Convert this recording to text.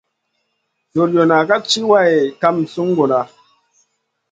Joriona ka tchi wayn kam sunguda.